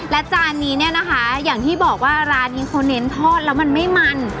และจานนี้เนี่ยนะคะอย่างที่บอกว่าร้านนี้เขาเน้นทอดแล้วมันไม่มัน